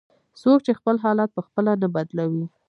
"څوک چې خپل حالت په خپله نه بدلوي".